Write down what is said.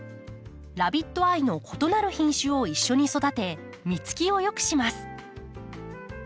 ラビットアイの異なる品種を一緒に育て実つきを良くします。